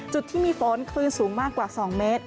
จุดที่มีฝนคลื่นสูงมากกว่า๒เมตร